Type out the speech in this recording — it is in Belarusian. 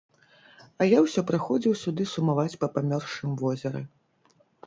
А я ўсё прыходзіў сюды сумаваць па памёршым возеры.